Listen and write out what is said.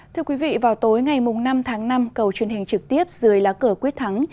thưa quý vị vào tối ngày năm tháng năm cầu truyền hình trực tiếp dưới lá cờ quyết thắng